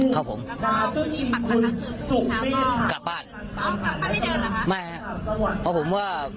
แต่ผมไม่กลัว